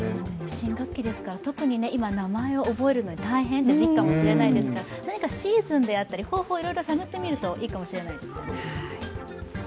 新学期ですから今特に名前を覚えるのが大変という時期かもしれませんから何かシーズンであったり、方法をいろいろ探ってみるといいかもしれないですね。